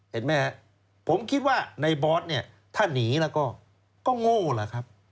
เห็นไหมครับผมคิดว่าในบอสเนี่ยถ้าหนีแล้วก็โง่แหละครับ